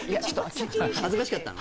恥ずかしかったの？